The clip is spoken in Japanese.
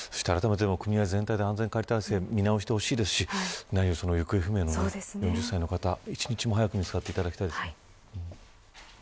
組合全体で安全管理体制を見直してほしいですしなにより、行方不明の方一日も早く見つかっていただきたいです。